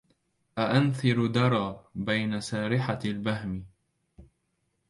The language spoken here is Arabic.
أأنثر درا بين سارحة البهم